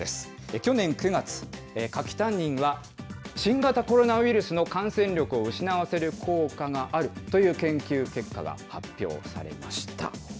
去年９月、柿タンニンは、新型コロナウイルスの感染力を失わせる効果があるという研究結果が発表されました。